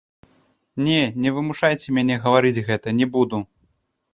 Не, не вымушайце мяне гаварыць гэта, не буду.